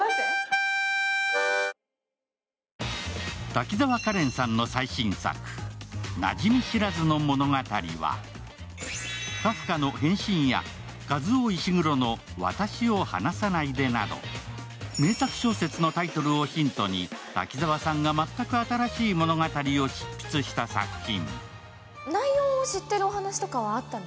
滝沢カレンさんの最新作、「馴染み知らずの物語」はカフカの「変身」やカズオ・イシグロの「わたしを離さないで」など名作小説のタイトルをヒントに滝沢さんが全く新しい物語を執筆した作品。